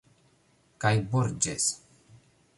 Kaj Borĝes...